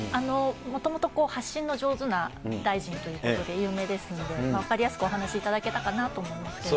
もともと発信の上手な大臣ということで有名ですので、分かりやすくお話しいただけたかなと思いますけども。